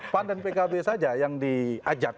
pan dan pkb saja yang diajak